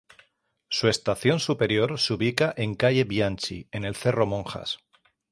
Su estación superior se ubica en calle Bianchi, en el cerro Monjas.